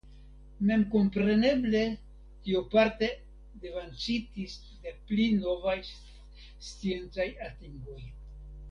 Memkompreneble tio parte devancitis de pli novaj sciencaj atingoj.